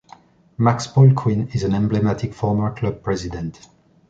Max Ploquin is an emblematic former club president.